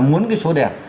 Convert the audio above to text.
muốn cái số đẹp